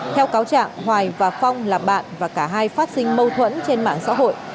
theo cáo trạng hoài và phong là bạn và cả hai phát sinh mâu thuẫn trên mạng xã hội